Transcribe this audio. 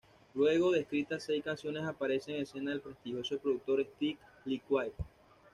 Luego de escritas seis canciones aparece en escena el prestigioso productor Steve Lillywhite.